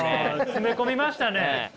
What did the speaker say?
詰め込みましたね。